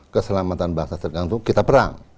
keselamatan bangsa terganggu kita perang